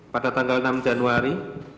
pada tanggal enam januari dua ribu enam belas